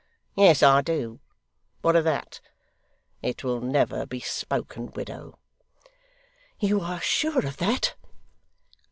Yes, I do. What of that? It will never be spoken, widow.' 'You are sure of that?